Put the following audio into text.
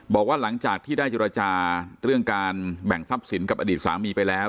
บอกว่าหลังจากที่ได้เจรจาเรื่องการแบ่งทรัพย์สินกับอดีตสามีไปแล้ว